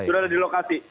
sudah ada di lokasi